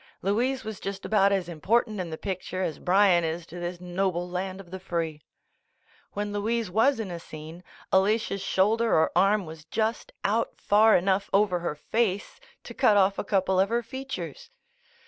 Louise was just about as important in the picture as Bryan is to this noble land of the free. When Louise was in a scene. Alalia's shoulder or arm was just out far enough over her face to cut off a couple of her features.